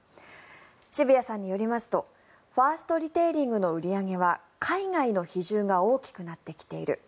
渋谷さんによりますとファーストリテイリングの売り上げは海外の比重が大きくなってきている。